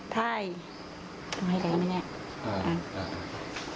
ไทยทำให้แรงไหมเนี่ย